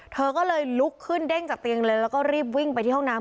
เธอก็เลยลุกขึ้นเด้งจากเตียงเลยแล้วก็รีบวิ่งไปที่ห้องน้ำ